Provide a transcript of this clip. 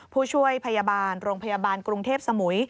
ผู้ช่วยพยาบาลโรงพยาบาลกรุงเทพสมุย